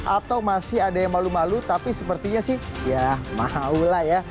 atau masih ada yang malu malu tapi sepertinya sih ya mahau lah ya